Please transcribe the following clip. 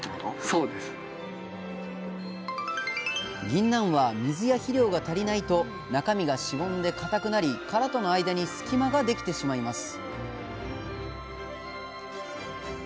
ぎんなんは水や肥料が足りないと中身がしぼんで硬くなり殻との間に隙間ができてしまいます